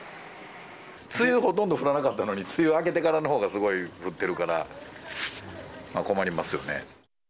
梅雨ほとんど降らなかったのに、梅雨明けてからのほうがすごい降っているから、困りますよね。